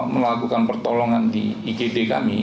melakukan pertolongan di igd kami